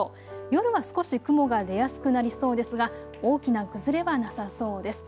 夜は少し雲が出やすくなりそうですが大きな崩れはなさそうです。